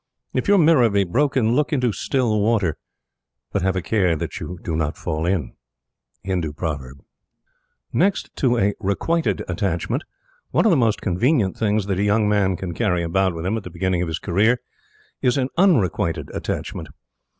If your mirror be broken, look into still water; but have a care that you do not fall in. Hindu Proverb. Next to a requited attachment, one of the most convenient things that a young man can carry about with him at the beginning of his career, is an unrequited attachment.